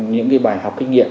những cái bài học kinh nghiệm